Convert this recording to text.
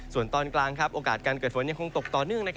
ส่วนตอนกลางโอกาสการเกิดฝนยังคงตกต่อเนื่อง